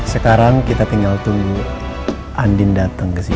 sekarang kita tinggal tunggu andin datang ke sini